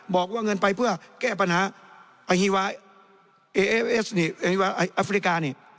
บอกว่าเงินไปเพื่อแก้ปัญหาอาฮีวาอัฟริกา